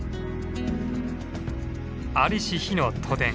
在りし日の都電。